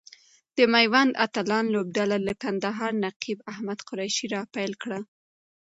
د ميوند اتلان لوبډله له کندهاره نقیب احمد قریشي را پیل کړه.